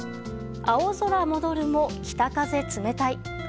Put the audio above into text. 青空戻るも、北風冷たい。